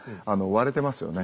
割れてましたね。